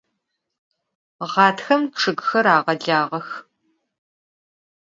Ğatxem ççıgxer ağelağex.